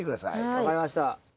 分かりました。